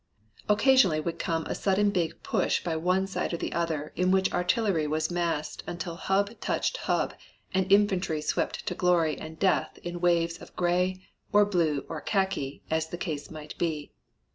Occasionally would come a sudden big push by one side or the other in which artillery was massed until hub touched hub and infantry swept to glory and death in waves of gray, or blue or khaki as the case might be.